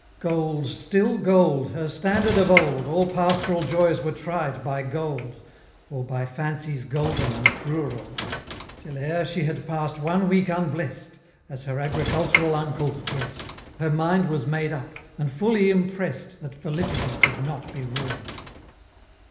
Gold, still gold, her standard of old, All pastoral joys were tried by gold, Or by fancies golden and crural Till ere she had pass'd one week unblest, As her agricultural Uncle's guest, Her mind was made up, and fully imprest, That felicity could not be rural!